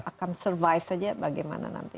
akan survice saja bagaimana nanti